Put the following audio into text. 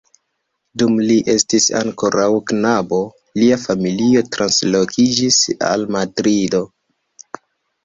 Dum li estis ankoraŭ knabo, lia familio translokiĝis al Madrido.